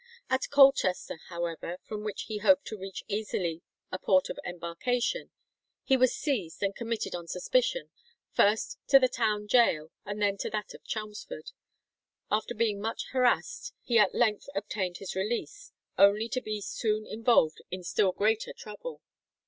At Colchester, however, from which he hoped to reach easily a port of embarkation, he was seized and committed on suspicion, first to the town gaol, then to that of Chelmsford. After being much harassed he at length obtained his release, only to be soon involved in still greater trouble.